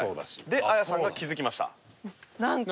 で綾さんが気づきました。